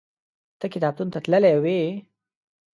ته کتابتون ته تللی وې؟